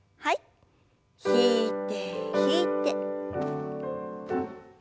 引いて引いて。